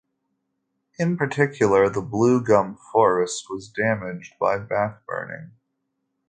In particular the Blue Gum Forest was damaged by back burning.